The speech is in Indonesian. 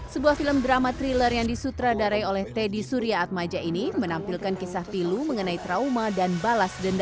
sebuah film drama thriller yang disutradarai oleh teddy surya atmaja ini menampilkan kisah pilu mengenai trauma dan balas denda